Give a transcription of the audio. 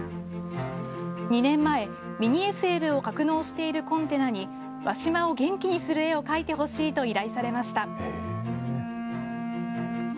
２年前、ミニＳＬを格納しているコンテナに、和島を元気にする絵を描いてほしいと依頼されました。